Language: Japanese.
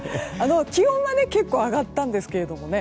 気温は結構上がったんですけどね。